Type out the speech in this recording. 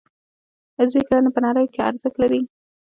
عضوي کرنه په نړۍ کې ارزښت لري